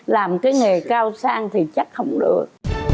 làm cái nghề cao sang thì chắc không được